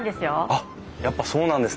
あっやっぱそうなんですね。